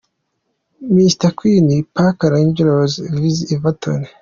Mar, Queens Park Rangers vs Everton.